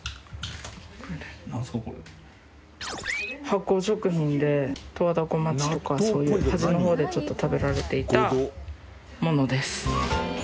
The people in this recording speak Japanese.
発酵食品で十和田湖町とかそういう端の方で食べられていたものです。